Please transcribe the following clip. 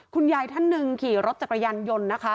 คุณยายท่านหนึ่งขี่รถจักรยานยนต์